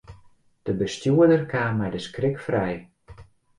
De bestjoerder kaam mei de skrik frij.